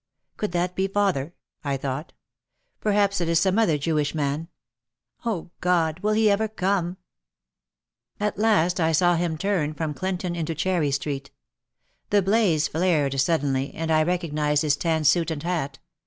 "Could that be father?" I thought. "Per haps it is some other Jewish man. Oh God, will he ever come !" At last I saw him turn from Clinton into Cherry Street. The blaze flared suddenly and I recognised his tan suit and hat.